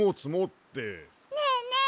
ねえねえ